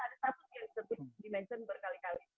ada satu yang lebih dimenjani berkali kali